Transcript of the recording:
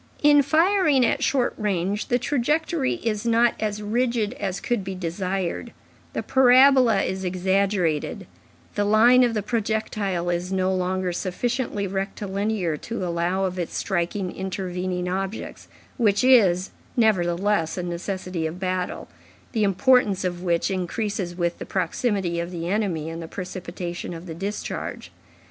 In firing at short range, the trajectory is not as rigid as could be desired, the parabola is exaggerated, the line of the projectile is no longer sufficiently rectilinear to allow of its striking intervening objects, which is, nevertheless, a necessity of battle, the importance of which increases with the proximity of the enemy and the precipitation of the discharge.